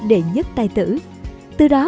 đệ nhất tài tử từ đó